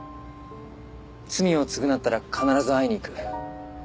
罪を償ったら必ず会いに行く。